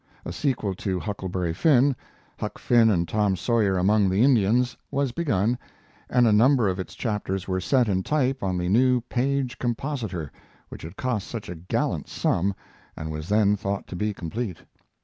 A sequel to Huckleberry Finn Huck Finn and Tom Sawyer Among the Indians was begun, and a number of its chapters were set in type on the new Paige compositor, which had cost such a gallant sum, and was then thought to be complete.